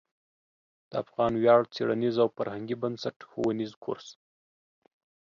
د افغان ویاړ څیړنیز او فرهنګي بنسټ ښوونیز کورس